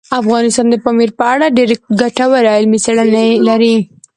افغانستان د پامیر په اړه ډېرې ګټورې علمي څېړنې لري.